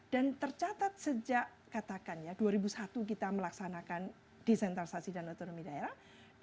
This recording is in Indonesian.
dan tercatat sejak katakan ya dua ribu satu kita melaksanakan desentralisasi dan otonomi daerah